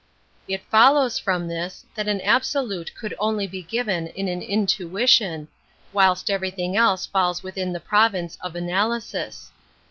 It follows from this that an absolute . could only be given in an intmtion^ whilst i everything else falls within the province of i analysis.